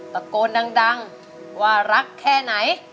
ตะโกนดังว่ารักแค่ไหน